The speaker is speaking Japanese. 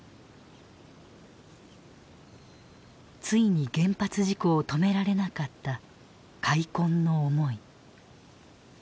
ついに原発事故を止められなかった「悔恨の思い」。